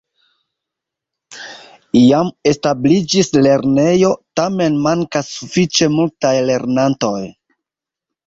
Iam establiĝis lernejo, tamen mankas sufiĉe multaj lernantoj.